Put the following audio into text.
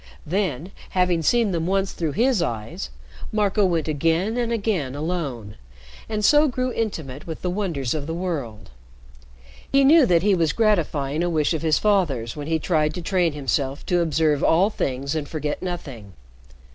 Then, having seen them once through his eyes, Marco went again and again alone, and so grew intimate with the wonders of the world. He knew that he was gratifying a wish of his father's when he tried to train himself to observe all things and forget nothing.